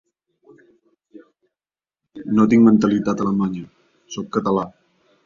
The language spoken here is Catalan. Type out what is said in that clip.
No tinc mentalitat alemanya; sóc català.